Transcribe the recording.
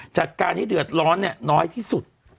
จากการให้เดือดร้อนเนี่ยน้อยที่สุด